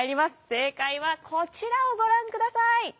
正解はこちらをご覧ください。